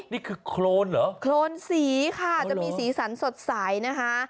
นี่คือโครนเหรอโครนสีค่ะจะมีสีสันสดใสนะคะ